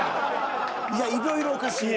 いやいろいろおかしい。